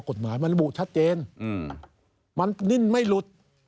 กฎหมายมันระบุชัดเจนมันนิ่นไม่หลุด